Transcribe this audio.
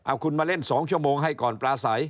เอาคุณมาเล่น๒ชั่วโมงให้ก่อนปลาใส